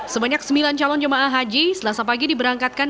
sebanyak sembilan calon jemaah haji selasa pagi diberangkatkan